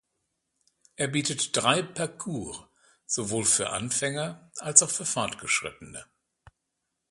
Er bietet drei Parcours sowohl für Anfänger als auch für Fortgeschrittene.